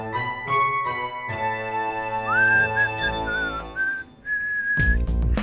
saatnya mamanya gue mau mundur